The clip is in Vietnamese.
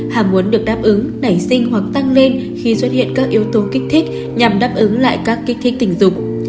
hàm muốn được đáp ứng nảy sinh hoặc tăng lên khi xuất hiện các yếu tố kích thích nhằm đáp ứng lại các kích thích tình dục